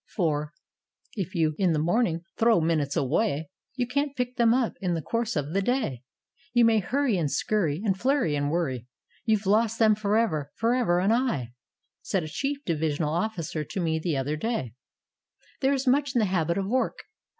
For "If you in the morning Tlirow minutes away, You can't pick them up In the course of the day. You may hurry a,nd scurry, And flurry and worry, You've lost them forever, Forever and aye." Said a chief divisional officer to me the other day, "There is much in the habit of work.